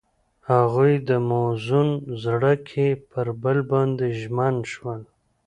هغوی په موزون زړه کې پر بل باندې ژمن شول.